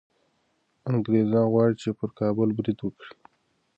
انګریزان غواړي چي پر کابل برید وکړي.